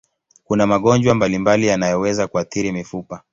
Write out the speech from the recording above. Kuna magonjwa mbalimbali yanayoweza kuathiri mifupa.